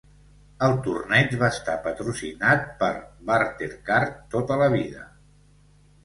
El torneig va estar patrocinat per Bartercard tota la vida.